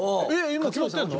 今決まってるの？